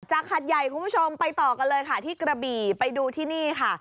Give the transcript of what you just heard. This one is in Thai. หัดใหญ่คุณผู้ชมไปต่อกันเลยค่ะที่กระบี่ไปดูที่นี่ค่ะ